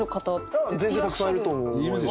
全然たくさんいると思う。